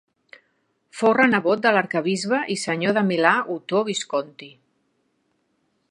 Fou renebot de l'arquebisbe i senyor de Milà Otó Visconti.